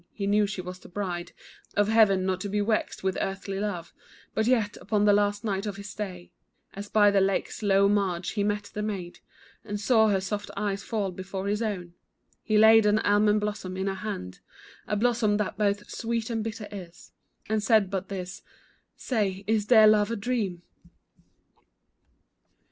He knew she was the bride Of Heaven, not to be vexed with earthly love, But yet, upon the last night of his stay, As by the lake's low marge he met the maid, And saw her soft eyes fall before his own, He laid an almond blossom in her hand, A blossom that both sweet and bitter is, And said but this, "Say, is dear love a dream?"